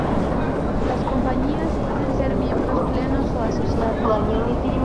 Las compañías pueden ser miembros plenos o asociados.